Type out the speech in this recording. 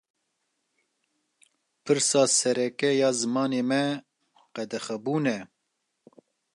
Pirsa sereke ya zimanê me, qedexebûn e